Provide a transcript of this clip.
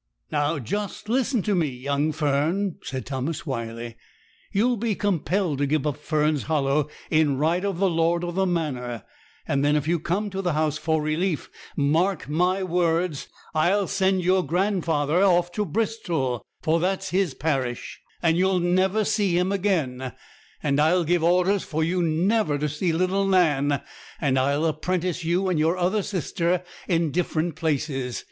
'Now, just listen to me, young Fern,' said Thomas Wyley; 'you'll be compelled to give up Fern's Hollow in right of the lord of the manor; and then if you come to the House for relief, mark my words, I'll send your grandfather off to Bristol, for that's his parish, and you'll never see him again; and I'll give orders for you never to see little Nan; and I'll apprentice you and your other sister in different places.